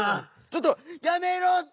ちょっとやめろって！